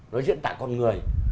nó diễn tả con người